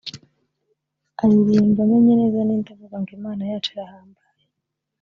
aririmba Menye neza n'indi ivuga ngo Imana yacu irahambaye